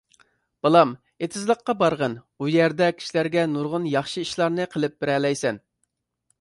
بالام، ئېتىزلىققا بارغىن، ئۇ يەردە كىشىلەرگە نۇرغۇن ياخشى ئىشلارنى قىلىپ بېرەلەيسەن!